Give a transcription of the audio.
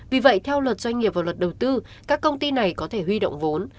vì vậy theo luật doanh nghiệp và luật đầu tư các công ty này có thể huy động vốn